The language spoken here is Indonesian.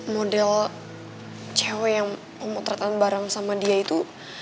model cewek yang memotretan barang sama dia itu